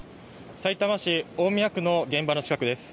さいたま市大宮区の現場の近くです。